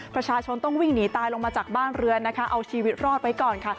ประชาชนต้องวิ่งหนีตายลงมาจากบ้านเรือนนะคะเอาชีวิตรอดไว้ก่อนค่ะ